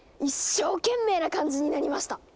一生懸命な感じになりました！